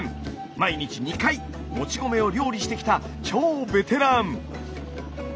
毎日２回もち米を料理してきた超ベテラン！